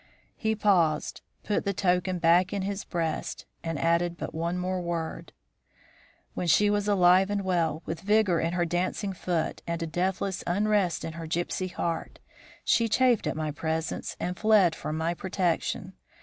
He paused, put the token back in his breast, and added but one more word. "When she was alive and well, with vigour in her dancing foot, and a deathless unrest in her gypsy heart, she chafed at my presence and fled from my protection.